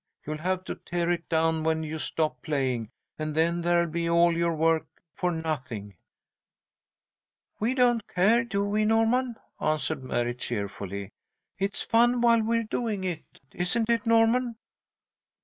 You'll have to tear it down when you stop playing, and then there'll be all your work for nothing." "We don't care, do we, Norman?" answered Mary, cheerfully. "It's fun while we're doing it, isn't it, Norman?"